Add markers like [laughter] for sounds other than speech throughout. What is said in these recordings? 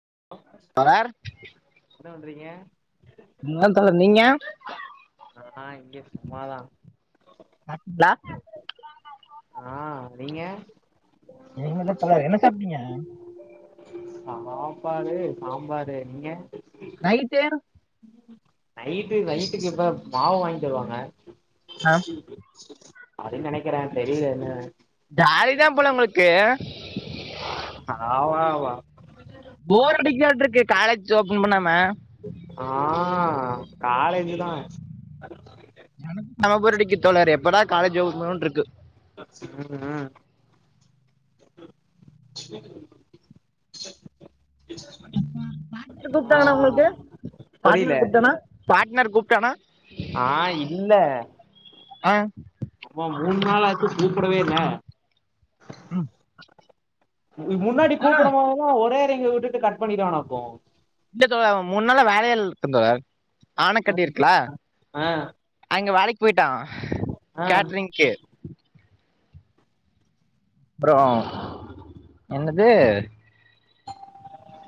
[unintelligible] என்ன பண்றீங்க [unintelligible] நீங்க அ இங்யு சும்மாதா சாப்டீங்களா அ நீங்க [unintelligible] என்ன சாப்ட்டீங்க சாப்பாடு சாம்பாரு நீங்க நைட்டு நைட்டு நைட்டுக்கு இப்ப மாவு வாங்கிட் வருவாங்க ஆ அதுன் நெனைக்கிறே தெரில [unintelligible] ஜாலிதா போல உங்களுக்கு ஆமாமாமா போர் அடிக்கி [unintelligible] இருக்கு காலேஜ் ஓபன் பண்ணாம அ காலேஜு தா [unintelligible] எப்படா காலேஜ் [unintelligible] னு டுருக்கு ம் ம் ப பாட்னர் ஆ கூப்ட்டாங்கனா உங்கள்க்கு புரியல பாட்னர் கூப்ட்டானா பாட்னர் கூப்டானா ஆஹ் இல்ல அ அவ மூண் நாளு ஆச்சு கூப்படவே இல்ல ம் இது முன்னாடி கூப்படம் தோழர் போதல்லா ஒரே எங்க விட்டுட்டு கட் பண்ணிருவானாக்கு இல்ல தல மூண் நாளா வேலையேல் இருக்குந்தல ஆனக்கட்டி இருக்குல ஆ ஆ அங்க வேலைக் போய்ட்டா ஆ கேட்ரிங்க்கு ப்புறோ என்னது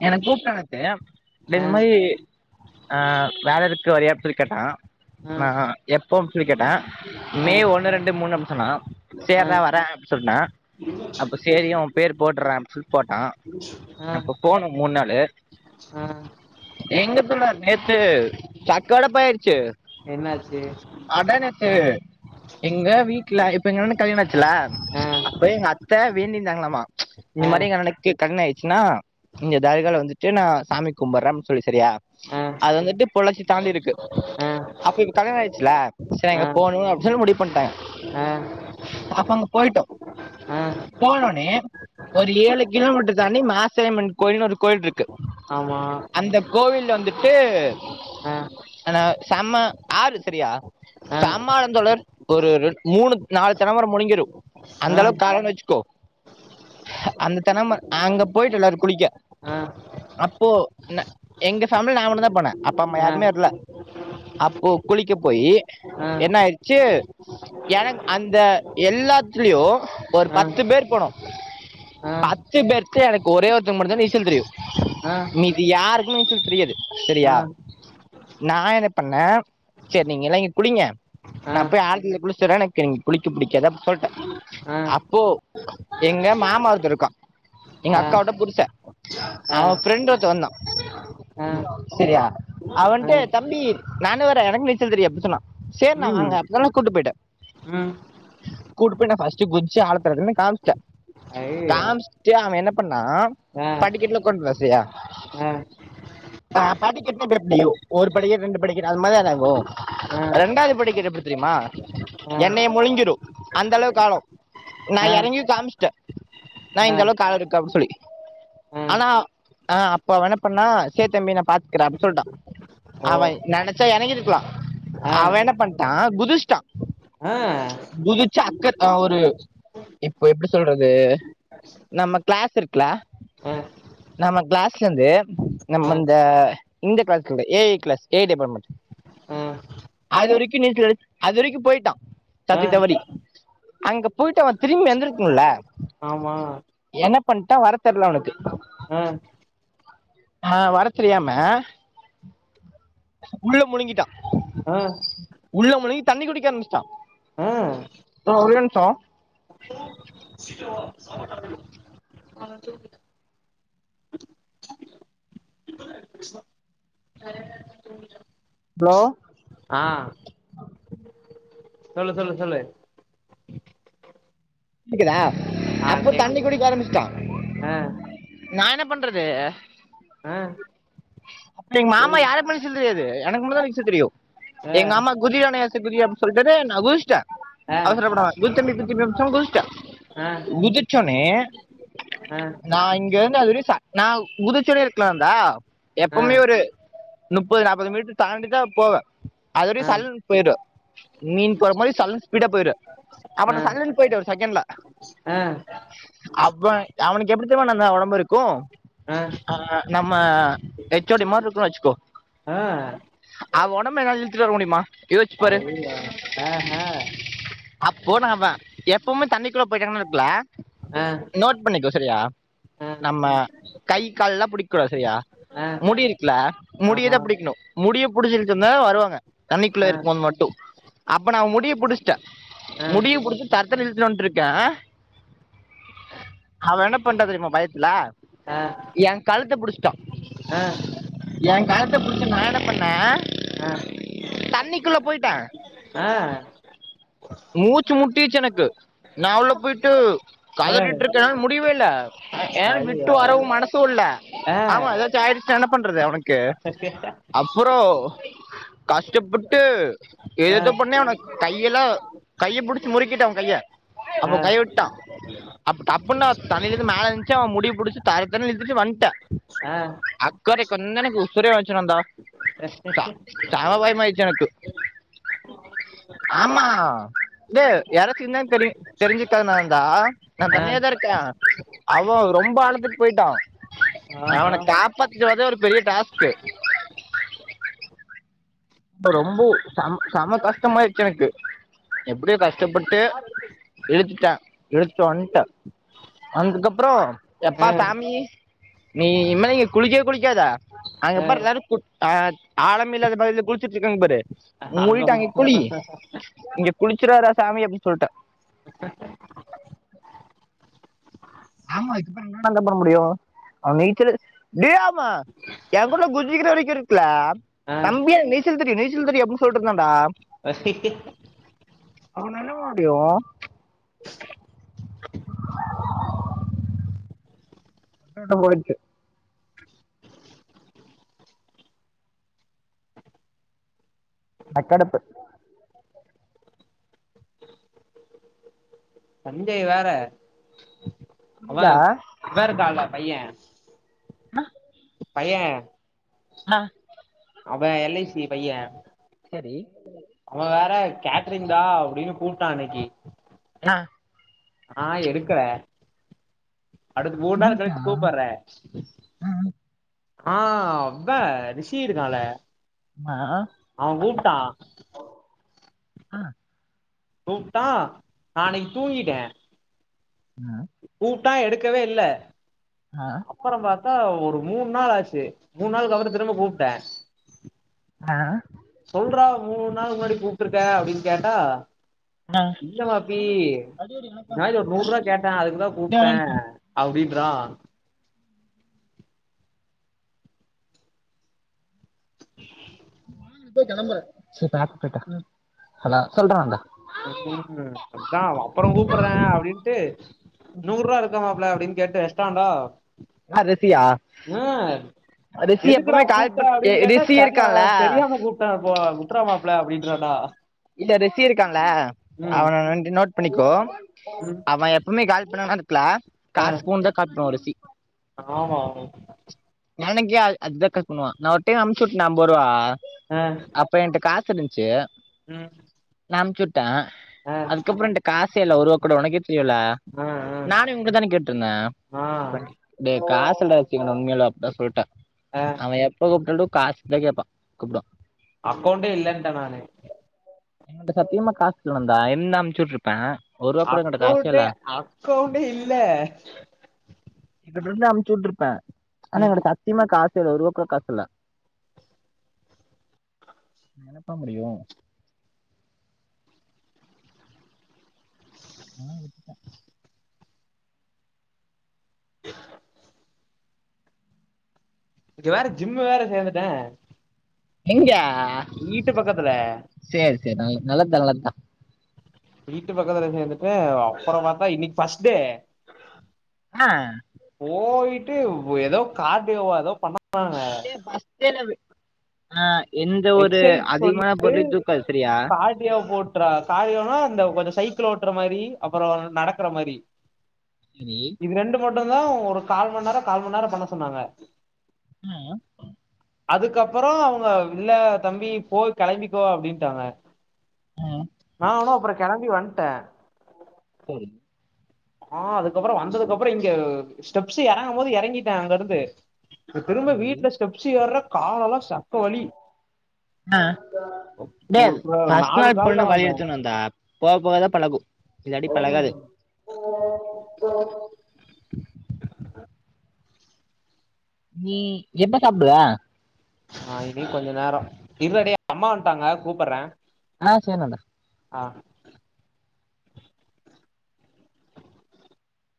எனக் கூப்ட்டா நேத்து டே ஆ இந்த மாரி ஆஹ் வேல இரு த்து வரியாப்பில் கேட்டா நா எப்போ அப் சொல்லி கேட்டே மே ஒன்னு ரெண்டு மூணு அப் சொன்னா ஆ சேர்ரா வரே அப் சொன்னே அப்ப சேரியு பேர் போட்றே அப் சொல் அ மூன் நாளு ம் எங்க தல நேத்து ஜக்கோட போயாட்ச்சு என்னாச்சு எங்க வீட்ல இப்ப எங்கண்ணனுக்கு கல்யாண ஆச்சுல ஆ அப்ப எங்க அத்த வேண்டிருந்தாங்களாமா இந்த ஆ மாரி எங்கண்ணனுக் த்து கல்ண ஆயிச்சுனா இங்க தாரிகால வந்துட்டு நா சாமி கும்பர்றே அப் சொல்லுச்சு சரியா ஆ அது வந்துட்டு பொள்ளாச்சி தாண்டி இருக்கு ஆ அப்ப இப் கல்யாண ஆயிட்ச்சில்ல ச ஆ அங்க போணுன் [unintelligible] அப்டி சொல் முடி பண்டாய்ங் ஆ அப்ப அங்க போய்ட்டோ ஆ போனொனே ஒரு ஏழு கிலோமீட்டர் தாண்டி மாஸ் சியம்மன் கோயில்னு ஒரு கோயில்ருக்கு ஆமா அந்த கோவில்ல வந்துட்டு ஆ ஆனா செம்ம ஆறு செரியா ஆ செம்ம ஆழந் தோழர் ஒரு ரெண் மூணுத் நாலுத் தென்னமரோ முழுங்கிரு ஆ அந்தளவுக் ஆழோன் வெச்சுக்கோ அந்த தென்னம அங்கப் போய்ட்டு எல்லாரு குளிக்க ஆ அப்போ ந எங்க ஃபேம்ல்ல நா மட்டு தா போனே அப்பா அம்மா ஆ ஆ யாருமே வர்ல அப்போ குளிக்க போயி ஆ ஆ என்ன ஆயிருச்சு எனக் அந்த எல்லாத்துலியு ஒரு ஆ ஆ பத்து பேர் போனோ பத்து பேர் த்து எனக் ஒரே ஒருத்தனுக் மட்டுந்தா நீச்சல் தெரியு ஆ ஆ மீதியார் நீச்சல் தெரியாது செரியா நா என்ன பண்ணே செர் நீங்க எல்லா இங்க குளிங்க நா போய் ஆழ்த்தல குளிச்ட்டு வறே எனக் இங் குளிக்க புடிக்கது அப்ட் சொல்ட்டே ஆ அப்போ எங்க மாமா ஒருத்த இருக்கா எங்க அக்காவோட புருச ஆ ஆ அவ ஃப்ரெண்டு ஒருத்த வந்தா ஆ செரியா அவன்ட்ட தம்பி நானு வறே எனக்கு நீச்சல் தெரியு அப்டி சொன்னா சேர்ண்ணா ம் வாங்க அப் சொல்ல கூட்டு போய்ட்டே ம் கூட்டு போ நா ஃபர்ஸ்டு குதிச்சு ஆழத்தல நின்னு காம்ச்சே அய்யய்யோ காம்ச் ட்டு அவ என்ன பண்ணா ஆ படிக்கட்ல உக்காந்ட்ன்தா செரியா ஆ ஆ ஆஹ் படிக்கட்ல [unintelligible] ஒரு படிக் ரெண்டு படிக்கட் அந்த மாரிதான ஆகு ஆ ரெண்டாவ்து படிக்கட் எப்டி தெரிமா என்னைய ஆ முழுங்கீரு அந்த அளவுக்கு ஆழோ நா எறங்கியு காமிச்ட்டே ண்ணா ஆ இந்த அளவுக்கு ஆழ இருக்கு அப் சொல்லி ஆ ஆனா அ அப்ப அவ என்ன பண்ணா சேர் தம்பி நா பாத்க்றே அப் சொல்ட்டா ஓ அவ நெனச்சா எறங்கிருக்லா ஆ அவ என்ன பண்ட்டா குதிச்ட்டா ஆ ஆ குதிச்சு அக்க அ ஒரு இப்போ எப்டி சொல்றது நம்ம கிளாஸ் இருக்குல ஆ நம்ம கிளாஸ்லந்து நம்ம இந்த இந்த கிளாஸ்க்ல A I class A I department ஆ அது வரிக்கு நீச்சல் அடி அது வரைக்கு போயிட்டா ஆ தத்தி தவறி அங்க போயிட்டு அவ திரும்பி எந்திரிக் முல்ல ஆமா என்ன பண்ட்ட வர தெர்ல அவனுக்கு ஆ ஆஹ் வர தெரியாம உள்ள முழுங்கிட்டா ஆ உள்ள முழுங்கி தண்ணி குடிக்க ஆரம்பிச்சுட்டா ஆ ப்ரோ ஒரே நிமிஷ ஹலோ ஆஹ் சொல்லு சொல்லு சொல்லு கேக்குதா ஆ அப்போ தண்ணி கேக்குது குடிக்க ஆரம்பிச்சிட்டா ஆ நா என்ன பண்றது ஆ எங்க மாமா போய் யாருக்குமே நீச்சல் தெரியாது எனக்கு மட்டுந்தா நீச்சல் தெரியு ஆ எங்க மாமா குதிரா நியாசு குதி அப்படின்னு சொல்ட்டாரு நா குதிச்சிட்டே ஆ அவசரப்படாம [unintelligible] சுட்டே ஆ குதிச்சோனே ஆ நா இங்க இருந்து அது வர நா குதிச்சோனே இருக்கலாந்தா ஆ எப்பவுமே ஒரு முப்பது நாப்பது மீட்டர் தாண்டிதா போவே ஆ அதுவரையு ஆ சல்லுன்னு போய்டு மீன் போற மாதிரி சல்லுன்னு ஸ்பீடா போய்ருவே அப்ப நா சல்லுன்னு போய்ட்டு செகண்ட்ல ஆ அவ அவனுக்கு எப்படி தெரியுமா ஒடம்பு இருக்கு ஆ நம்ம ஹெச் ஓ டி மாரி இருக்கு வச்சுக்கோ ஆ அவ ஒடம்ப என்னால இழுத்துட்டு வர முடியுமா யோசிச்சு பாரு அவ்ளோதா ஆஹா அப்போ அவ எ ப்பமே தண்ணிக்குள்ள போயிட்ட இருக்கல ஆ நோட் பண்ணிக்கோ சரியா ஆ நம்ம கை கால் எலாம் புடிக்க கூடாது சரியா ஆ முடி இருக்கல முடிய தா ஆமா புடிக்கணு முடிய புடிச்சி இழுத்தனா வருவாங்க தண்ணிக்குள்ள ஆ இருக்கும்போது மட்டு அப்ப ந முடிய புடிச்சுட்டே ஆ முடிய புடிச்சி தர னு இழுத்துட்டு வன்ட்து இருக்கே அவ என்ன பண்டா தெரியுமா பயத்துல ஆ எங் கழுத்தை புடிச்சிட்டா ஆ எங் கழுத்த புடிச்ச நா என்ன பண்ணே ஆ தண்ணிக்குள்ள போயிட்டே ஆ மூச்சு முட்டிச்சு எனக்கு நா உள்ள போயிட்டு ஆ கதறிட்டு இருக்கே என்னால முடியவே இல்ல என்னால விட்டு சரியா வரவு மனசும் இல்ல ஆமா ஏதாச்சு ஆயிடுச்சுனா என்ன பண்றது உனக்கு சத்தேஷ அப்பற கஷ்டப்பட்டு ஆ ஆ ஏது பண்ணி அவனுக் கையெல்லா கைய புடிச்சி முறிக்கிட்டே அவங் கையை ஆ அப்ப கைய விட்டா அப்ப டப்புன்னு தலையில இருந்து மேல எந்துரிச்சு அவன் முடிய புடிச்சு தரத்தரனு இழுத்துட்டு வந்துட்டன் ஆ அக்கறைக்கு வந்தனே எனக்கு உசுரே வந்துச்சு நந்தா ச சமபயமாயிச்சு எனக்கு ஆமா இல்ல யாராச்சு இருந்தா தெரியு தெரிஞ்சுக்காத நந்தா நா தனியாதா இருக்கே அவ ரொம்ப ஆழத்துக்கு போயிட்டா ஆஹா அவன காப்பாத்திட்டு வரதே ஒரு பெரிய டாஸ்க் ரொம்ப சம சம கஷ்டமாயிடுச்சு எனக்கு எப்படியோ கஷ்டப்பட்டு இழுத்துட்டே இழுத்துட்டு வன்ட்ட வந்ததுக்கப்புற எப்பா ஆ சாமி நீ இனிமே இங்க குளிக்கவே குளிக்காத ஆ அங்கப்பாரு எல்லாரு குட்ட ஆழமெ இல்லாத பகுதில குளிச் சிட்டு இருக்காங்க பாரு அங்க மூடிட்டு போ அங்கே குளி இங்க குளிச்சராதாடா சாமி அப்படின்னு சொல்ட்டே ஆமா இப்படி இருந்த என்னடா பண்ண முடியு அவ நீச்சல் டே அவ எங் கூட குதிக்கிற வரைக்கு இருக்கல ஆ தம்பி எனக்கு நீச்சல் தெரியு நீச்சல் தெரியு அப்படின்னு சொல்லிட்டு இருந்தான்டா அப்ப நா என்ன பண்ண முடியு [unintelligible] டைம் குளிச்சு அக்கடுப்பு சஞ்செய் வேற அவ புரியல வேறு கால பைய பைய ஆஹ் அவ எல் ஐ சி பைய செரி அவ வேற கேட்ரிங் தா அப்டினு கூப்டான் இன்னைக்கி என்னாஹ் ஆஹ் இருக்கறே அடுத் மூனு நாள் கழிச் கூப்பட்ற ஆஹ் அவ்ப ரிஷி இருகான்ல ஆமா அவஹ் கூப்டான் அஹ் கூப்ட்டா நா அன்னைக்கி தூங்கிட்டே ஹ கூப்ட்டா எடுக்கவே இல்ல அப்பற பாத்தா ஒரு மூன் நாள் ஆச்சு மூன் நாள் கபர திரும்ப கூப்ட்டே அஹ் சொல்றா மூணு நாள் முன்னாடி கூப்டுருக்க அப்டின் கேட்டா இல்ல மாப்பி இது மாரி ஒரு நூறுவா கேட்டே அதுகுதா கூப்ட்டே அப்டின் [unintelligible] [unintelligible] ஹலோ சொல்றாங்க ம் அதா அப்பறோ கூப்டுறே அப்டின்ட்டு நூறுவா இருக்குமா ல அப்டினு கேட்டு வேஷ்டான்டா ஆ ரிஷியா ஹ் ரிஷி எதுகுடா எப்பவுமே கால் கூப்ட்ட பண் எ அப்டினு கேட்டா ரிஷி தெர்லடா இருக்கான்ல தெரியாம கூப்ட்ட அப்போ [unintelligible] விட்றமாப்ள அப்டின்றான்டா இல்ல ரிஷி இருகான்ல ம் அவன ரென்ட் நோட் பண்ணிகோ ம் அவன் எப்போமே கால் பண்ணனா க்ளா ஆ காசு போன் தா கால் பண்ணுவ ரிஷி ஆமா எனக்கே அது அது கால் பண்ணுவ நா ஒரு டைம் அம்ச்சுட்டான்டா அம்பருவா அப்ப என்ட காசு [unintelligible] உம் நா அம்சுட் டா அதுகப்ற என்ட காசேல்ல ஒருவ கூட உனக்கேத் தெரியுலா ஆ நானே உங்கிட்ட தானே கேட்டுருந்த ஆ ஆ டேய் காசு [unintelligible] அதா சொல்ட ஆ அவ எப்ப கூப்டாலு காசுதா கேப்பா கூப்டுவா அக்கவுண்டே இல்லன்ட நானு என்னுட்ட சத்தியமா காசில்ல நந்தா இருந்தா அம்ச்சுட்டுருப்ப அக்கவுண்ட் அக்கவுனண்டே இல்ல [unintelligible] இருந்தா அமுச்சுவிட்டுருப்ப ஆனா ம் என்கிட்ட சத்தியமா காசு [unintelligible] ஒருவா கூட காசு இல்ல என்னப்பா முடியு அதா விட்டுட்டா இப்ப வேற ஜிம்மு வேற சேந்துட்ட எங்க வீட்டு பக்கத்துல செரி நல்ல நல்லத்தா நல்லத்தா வீட்டு பக்கத்துல சேர்ந்துட்ட அப்புறமாத்தா இன்னிக்கு ஃபஸ்ட் டே அஹ் போயிட்டு ஏதோ கார்டியோவா ஏதோ பண்ண ஏ பஸ் டேல அஹ் எக்சைஸ் சொல்லிட்டு சரியா கார்டியா போட்றா காரியோனா அந்த கொஞ்ச சைக்கிள் ஓட்டுற மாரி அப்புறோ நடக்குற மாரி சரி இது ரெண்டு மட் டுந்தா ஒரு கால் மண் நேரோ கால் மண் நேரோ பண்ண சொன்னாங்க அஹ்ஹ அதுக்கப்பறோ அவங்க இல்ல தம்பி போய் கெளம்பிக்கோ அப்டின்ட்டாங்க ஆ நா வேணா அப்பறோ கெளம்பி வன்ட சரி ஆஹ் அதுக்கப்பறோ வந்ததுக்கு அப்பறோ இங்க ஸ்டெப்ஸ் எறங்கும் போது எறங்கிட்ட அங்கருந்து திரும்ப சரி வீட்ல ஸ்டெப்ஸ்சு ஏற்ற காலெல்லா சக்க வலி அஹ் [unintelligible] ஒரு பஸ்ட் நாலு நாள் பண்ணு கால்ல வழி வந்தேன் எடுத்துணும்ந்தா போவ போவதா பலகு இல்லாட்டி ம் பலகாது நீ எப்ப சாப்டுவ அஹ் இன்னி கொஞ்ச நேரோ இர்றா டேய் அம்மா வன்ட்டாங்க கூப்பற்ற அஹ் சர்தான்டா அஹ்